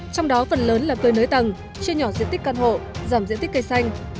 trong đó phần lớn là cơi nới tầng chia nhỏ diện tích căn hộ giảm diện tích cây xanh